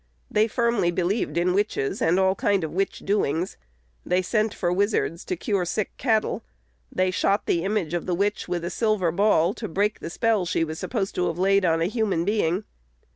They firmly believed in witches and all kind of witch doings. They sent for wizards to cure sick cattle. They shot the image of the witch with a silver ball, to break the spell she was supposed to have laid on a human being.